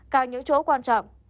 các những chỗ quan trọng